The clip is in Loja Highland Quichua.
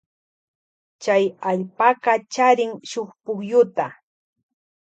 Chay allpaka charin shuk pukyuta.